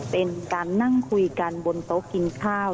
เป็นการนั่งคุยกันบนโต๊ะกินข้าว